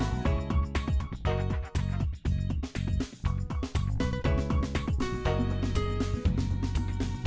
cảm ơn nam hà